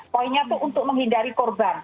poinnya itu untuk menghindari korban